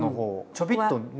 ちょびっとね。